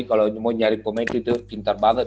kalau mau nyari komenti itu pintar banget